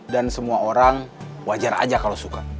dan semua orang wajar aja kalau suka